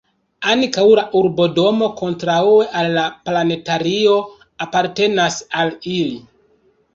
Ankaŭ la urbodomo kontraŭe al la planetario apartenas al ili.